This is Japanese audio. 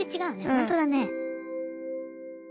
ほんとだね。